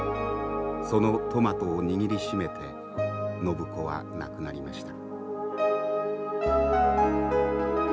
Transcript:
そのトマトを握りしめて靖子は亡くなりました。